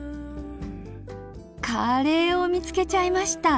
カレーを見つけちゃいました。